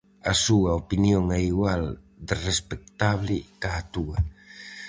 A súa opinión é igual de respectable ca a túa.